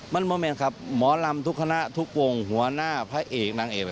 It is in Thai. มันโมเมนครับหมอลำทุกคณะทุกวงหัวหน้าพระเอกนางเอก